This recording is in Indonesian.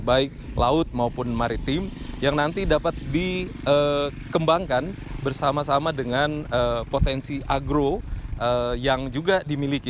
baik laut maupun maritim yang nanti dapat dikembangkan bersama sama dengan potensi agro yang juga dimiliki